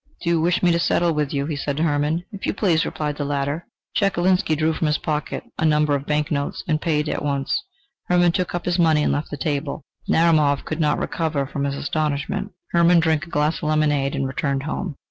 "Do you wish me to settle with you?" he said to Hermann. "If you please," replied the latter. Chekalinsky drew from his pocket a number of banknotes and paid at once. Hermann took up his money and left the table. Narumov could not recover from his astonishment. Hermann drank a glass of lemonade and returned home.